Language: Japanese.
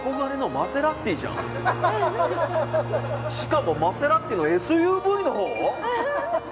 しかもマセラティのＳＵＶのほう？